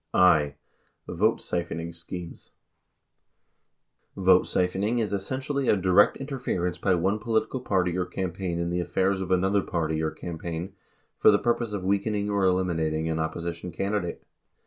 57 i. Vote Siphoning Schemes Vote siphoning is essentially a direct interference by one political party or campaign in the affairs of another party or campaign for the purpose of weakening or eliminating an opposition candidate.